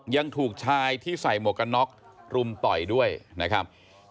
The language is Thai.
ยังถูกชายที่ใส่หมวกกันน็อกรุมต่อยด้วยนะครับ